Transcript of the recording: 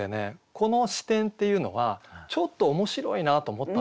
この視点っていうのはちょっと面白いなと思ったんですよ。